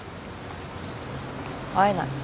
会えない。